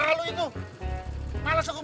malas aku menceritakan